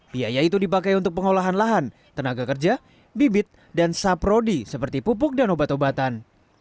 biaya itu dipakai untuk pengolahan lahan tenaga kerja bibit dan saprodi seperti pupuk dan obat obatan